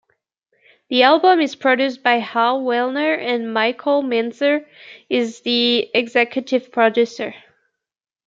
The album is produced by Hal Willner and Michael Minzer is the executive producer.